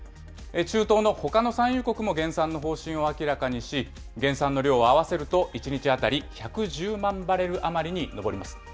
中東のほかの産油国も減産の方針を明らかにし、減産の量を合わせると１日当たり１１０万バレル余りに上ります。